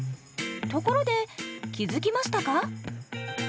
ところで気づきましたか？